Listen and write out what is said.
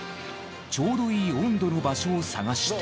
ちょうどいい温度の場所を探して。